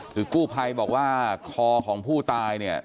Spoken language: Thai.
คือกู้ภัยบอกว่าคอของผู้ตายเนี่ย